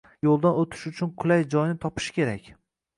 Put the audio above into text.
yo‘ldan o‘tish uchun qulay joyni topish kerak.